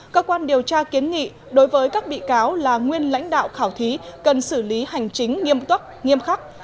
cơ quan điều tra kiến nghị đối với các bị cáo là nguyên lãnh đạo khảo thí cần xử lý hành chính nghiêm túc nghiêm khắc